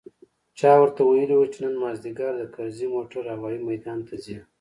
چا ورته ويلي و چې نن مازديګر د کرزي موټر هوايي ميدان ته ځي.